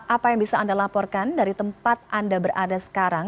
apa yang bisa anda laporkan dari tempat anda berada sekarang